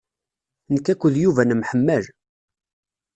Nekk akked Yuba nemḥemmal.